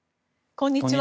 こんにちは。